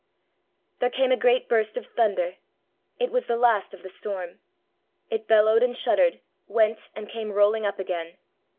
There came a great burst of thunder. It was the last of the storm. It bellowed and shuddered, went, and came rolling up again.